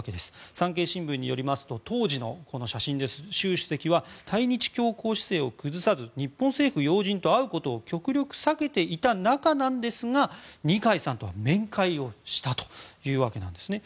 産経新聞によりますと習主席は対日強硬姿勢を崩さず日本政府要人と会うことを極力、避けていた中なんですが二階さんとは面会をしたというわけなんですね。